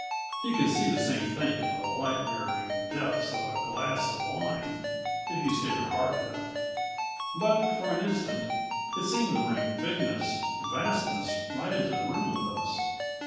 You could see the same thing in the light mirroring depths of a glass of wine, if you stared hard enough. But for an instant it seemed to bring bigness, vastness right into the room with us.